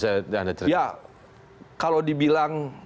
ya kalau dibilang